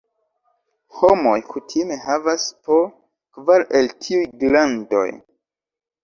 Homoj kutime havas po kvar el tiuj glandoj.